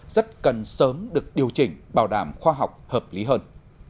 rất cần sớm được điều chỉnh bảo đảm khoa học hợp lý hơn